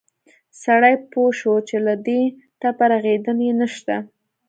سړى پوى شو چې له دې ټپه رغېدن يې نه شته.